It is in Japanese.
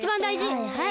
はいはい。